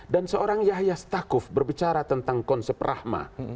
dan seorang yahya staquf berbicara tentang konsep rahma